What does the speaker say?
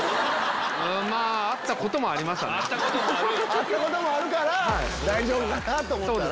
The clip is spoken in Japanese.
あったこともあるから大丈夫かなと思ったら。